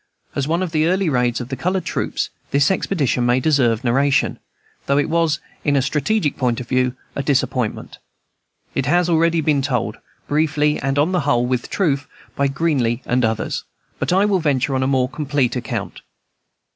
As one of the early raids of the colored troops, this expedition may deserve narration, though it was, in a strategic point of view, a disappointment. It has already been told, briefly and on the whole with truth, by Greeley and others, but I will venture on a more complete account.